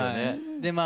でまあ